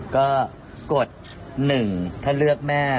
ก็กด๑ถ้าเลือกแม่